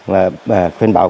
và khuyên bảo